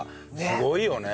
すごいね。